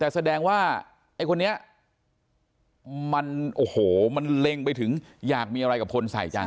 แต่แสดงว่าไอ้คนนี้มันโอ้โหมันเล็งไปถึงอยากมีอะไรกับคนใส่จัง